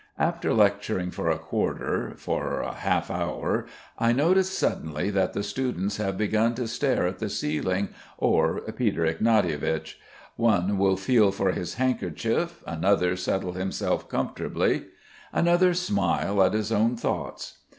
After lecturing for a quarter, for half an hour, I notice suddenly that the students have begun to stare at the ceiling or Peter Ignatievich. One will feel for his handkerchief, another settle himself comfortably, another smile at his own thoughts.